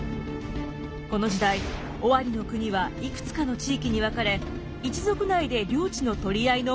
この時代尾張国はいくつかの地域に分かれ一族内で領地の取り合いの真っ最中。